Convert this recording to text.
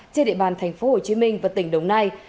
tại địa bàn tp hcm và tỉnh đồng nai